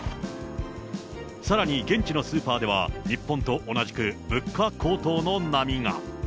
さらに現地のスーパーでは、日本と同じく物価高騰の波が。